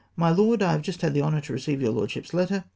" My Loed, — I have just had the honour to receive your Lordship's letter.